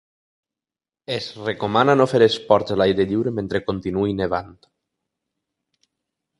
Es recomana no fer esports a l’aire lliure mentre continuï nevant.